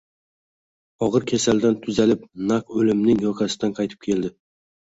Og`ir kasaldan tuzalib, naq o`limning yoqasidan qaytib keldi